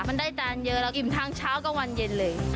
มันได้จานเยอะเราอิ่มทางเช้ากับวันเย็นเลย